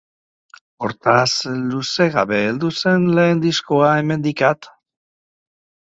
Hortaz, luze gabe heldu zen lehen diskoa, Hemendik at!